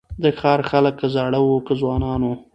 د ښار خلک که زاړه وه که ځوانان وه